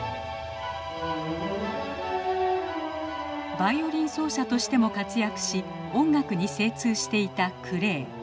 バイオリン奏者としても活躍し音楽に精通していたクレー。